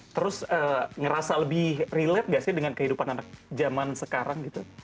terus ngerasa lebih relate gak sih dengan kehidupan anak zaman sekarang gitu